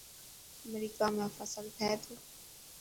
امريڪا ۾ فصل ٿي ٿو؟